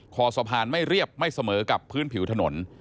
คอสะพานไม่เรียบไม่เสมอกับพื้นผิวถนน